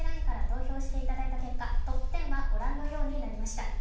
ＬＩＮＥから投票していただいた結果、トップ１０はこのようになりました。